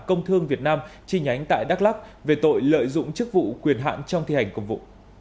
công thương việt nam chi nhánh tại đắk lắc về tội lợi dụng chức vụ quyền hạn trong thi hành công vụ